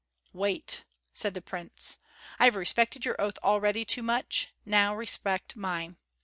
"Wait," said the prince. "I have respected your oath already too much; now respect mine.